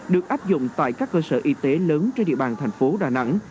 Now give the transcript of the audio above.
được áp dụng tại các cơ sở y tế lớn trên địa bàn thành phố đà nẵng